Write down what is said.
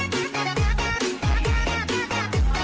สวัสดีค่ะ